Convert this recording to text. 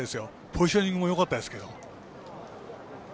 ポジショニングもよかったです。